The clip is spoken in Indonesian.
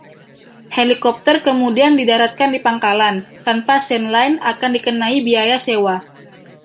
Helikopter kemudian didaratkan di pangkalan, tanpa Sandline akan dikenai biaya sewa.